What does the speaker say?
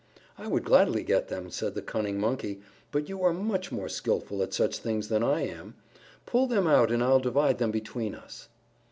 "I would gladly get them," said the cunning Monkey, "but you are much more skillful at such things than I am. Pull them out and I'll divide them between us."